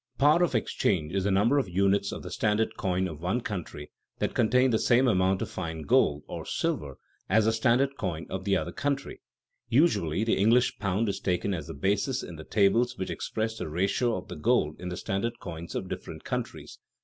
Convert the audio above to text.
_ Par of exchange is the number of units of the standard coin of one country that contain the same amount of fine gold (or silver) as the standard coin of the other country. Usually the English pound is taken as the basis in the tables which express the ratio of the gold in the standard coins of different countries.